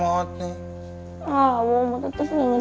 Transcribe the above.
abah mau tetap nangis nanti perasaan neng